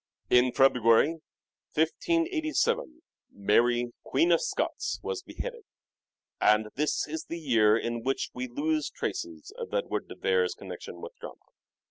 In February 1587 Mary Queen of Scots was be headed, and this is the year in which we lose traces of Edward de Vere's connection with drama.